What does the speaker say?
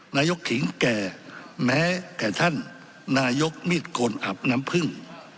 นายกขิงแก่แม้แต่ท่านนายกมีดกลอับน้ำพึ่ง